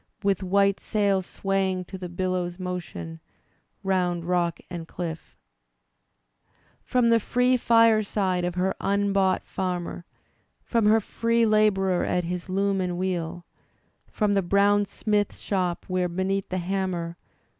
With white sail swaying to the billow's motion Round rock and cliff — From the free fireside of her unbou^t farmer — From her free labourer at his' loom and wheel — From the brown smith shop, where, beneath the hammer.